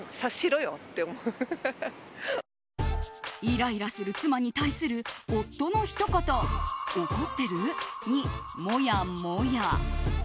イライラする妻に対する夫のひと言怒ってる？に、もやもや。